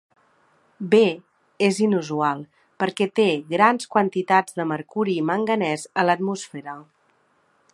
B és inusual perquè té grans quantitats de mercuri i manganès a l'atmosfera.